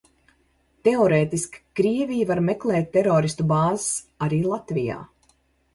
Teorētiski Krievija var meklēt teroristu bāzes arī Latvijā.